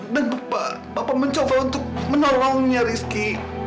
dan papa mencoba untuk menolongnya rizky